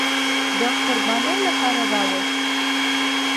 د قربانۍ لپاره راوست.